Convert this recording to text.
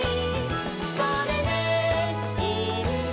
「それでいいんだ」